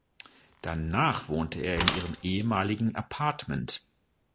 Danach wohnte er in ihrem ehemaligen Appartement.